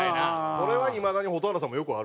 それはいまだに蛍原さんもよくあるよ。